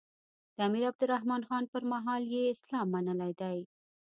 د امیر عبدالرحمان خان پر مهال یې اسلام منلی دی.